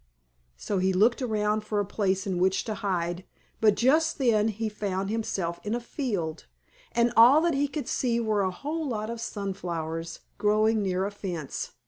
So he looked around for a place in which to hide, but just then he found himself in a field, and all that he could see were a whole lot of sunflowers growing near a fence.